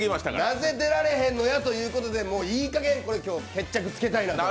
なぜ出られへんのやということでいいかげんに決着つけたいんです。